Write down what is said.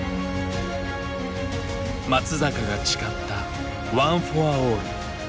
松坂が誓った「ワン・フォア・オール」。